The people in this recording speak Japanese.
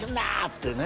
ってね